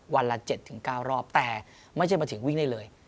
วันละ๗๙รอบแต่ไม่ใช่มาถึงวิ่งได้เลย